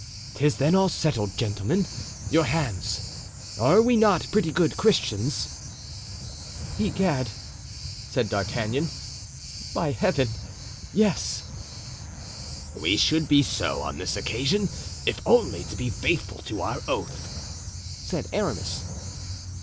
"'Tis then all settled. Gentlemen, your hands; are we not pretty good Christians?" "Egad!" said D'Artagnan, "by Heaven! yes." "We should be so on this occasion, if only to be faithful to our oath," said Aramis.